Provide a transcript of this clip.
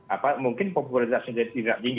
apa mungkin popularitasnya tidak tinggi